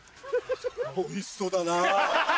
おいしそうだな。